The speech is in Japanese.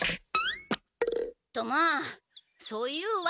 とまあそういうわけなのだ。